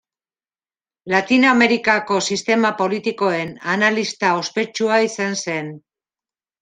Latinoamerikako sistema politikoen analista ospetsua izan zen.